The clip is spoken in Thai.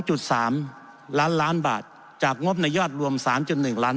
จุดสามล้านล้านบาทจากงบในยอดรวมสามจุดหนึ่งล้าน